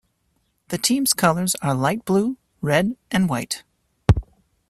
The team's colors are light blue, red and white.